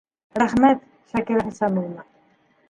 Рәхмәт, Шакира Хисамовна.